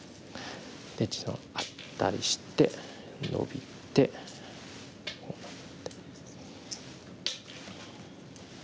でチェさんはアタリしてノビてこうなって。